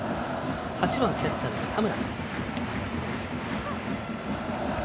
８番・キャッチャーの田村。